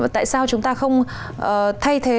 tại sao chúng ta không thay thế